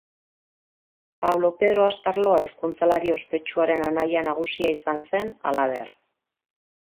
Pablo Pedro Astarloa hizkuntzalari ospetsuaren anaia nagusia izan zen halaber.